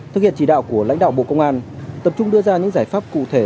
thực hiện chỉ đạo của lãnh đạo bộ công an tập trung đưa ra những giải pháp cụ thể